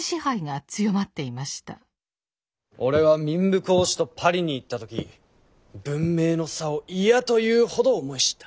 俺は民部公子とパリに行った時文明の差を嫌というほど思い知った。